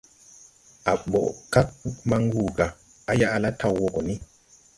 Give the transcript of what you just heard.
A boʼ kag man wuu ga, à yaʼ la taw wo go ni.